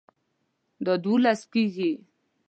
دا دوولس کیږي